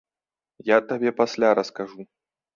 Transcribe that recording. Я табе пасля раскажу.